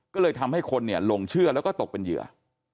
ก็เลยทำให้คนหลงเชื่อแล้วก็ตกเป็นเหยื่อ